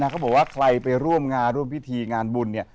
เขาบอกว่าใครไปร่วมงานร่วมพิธีงานบุญเนี่ย